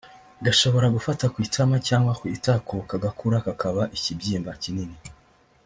gashobora gufata ku itama cyangwa ku itako kagakura kakaba ikibyimba kinini